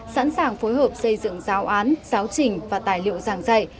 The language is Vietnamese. sẵn sàng phối hợp xây dựng giáo án giáo trình và tài liệu giảng dạy